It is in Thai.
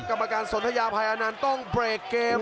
กรรมการสนทยาภัยอนันต์ต้องเบรกเกม